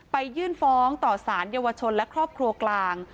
ยื่นฟ้องต่อสารเยาวชนและครอบครัวกลาง